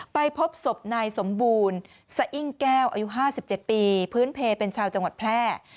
ไปพบศพนายสมบูรณ์สะอิ้งแก้วอายุ๕๗ปีพื้นเพลเป็นชาวจังหวัดแพร่